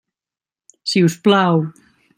Si us plau!